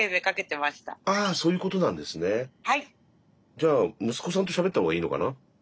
じゃあ息子さんとしゃべった方がいいのかな？